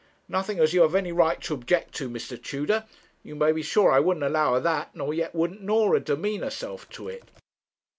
'Nothing as you have any right to object to, Mr. Tudor. You may be sure I wouldn't allow of that, nor yet wouldn't Norah demean herself to it.'